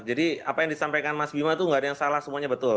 jadi apa yang disampaikan mas bima itu tidak ada yang salah semuanya betul